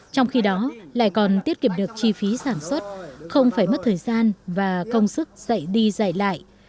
trong khi đó lại còn tiết kiệm được chi phí sản xuất không phải mất thời gian và công sức dạy đi dạy lại